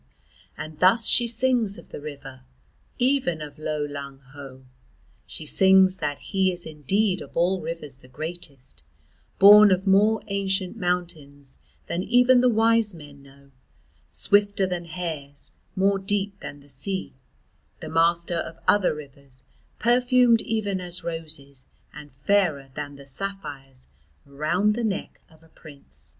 And thus she sings of the river, even of Lo Lang Ho: she sings that he is indeed of all rivers the greatest, born of more ancient mountains than even the wise men know, swifter than hares, more deep than the sea, the master of other rivers perfumed even as roses and fairer than the sapphires around the neck of a prince.